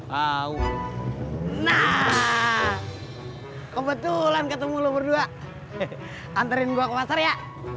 hai nah kebetulan ketemu lu berdua anterin gua ke pasar ya